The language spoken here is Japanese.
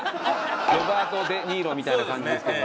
ロバート・デ・ニーロみたいな感じですけど。